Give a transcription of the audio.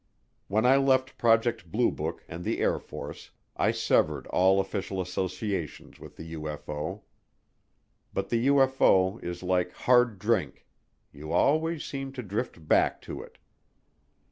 When I left Project Blue Book and the Air Force I severed all official associations with the UFO. But the UFO is like hard drink; you always seem to drift back to it.